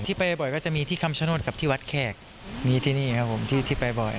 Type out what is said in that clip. ไปบ่อยก็จะมีที่คำชโนธกับที่วัดแขกมีที่นี่ครับผมที่ไปบ่อย